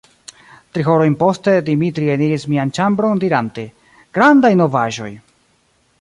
Tri horojn poste, Dimitri eniris mian ĉambron, dirante: "Grandaj novaĵoj!"